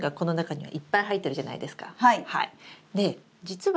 はい。